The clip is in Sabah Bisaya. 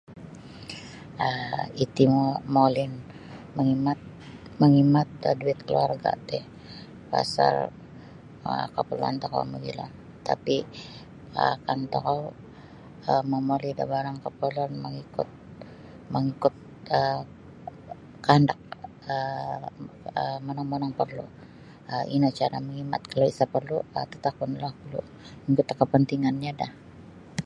um Iti mo' molin mangimat mangimat da duit keluarga' ti pasal um keperluan tokou mogilo tapi um kaan tokou um momoli da barang keperluan mangikut mangikut da kaandak um monong-monong porlu' um ino cara mangimat kalau isa' porlu um tatakunlah gulu' mangikut da kepentingannyolah.